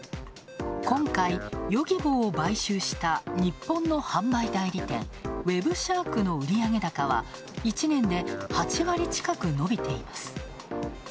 今回、ヨギボーを買収した日本の販売代理店・ウェブシャークの売上高は１年で８割近く伸びています。